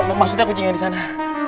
eh maksudnya kucingnya disana